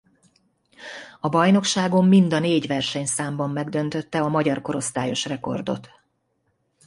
A bajnokságon mind a négy versenyszámban megdöntötte a magyar korosztályos rekordot.